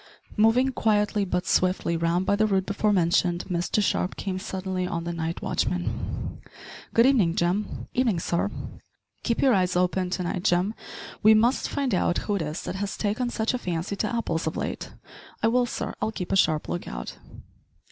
Moving quietly but swiftly round by the route before mentioned Mr Sharp came suddenly on the night watchman. "Good evening, Jim." "Evenin', sir." "Keep your eyes open to night, Jim. We must find out who it is that has taken such a fancy to apples of late." "I will, sir; I'll keep a sharp look out."